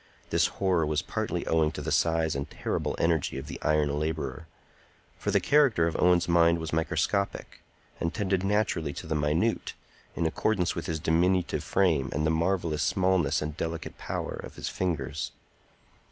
This horror was partly owing to the size and terrible energy of the iron laborer; for the character of Owen's mind was microscopic, and tended naturally to the minute, in accordance with his diminutive frame and the marvellous smallness and delicate power of his fingers.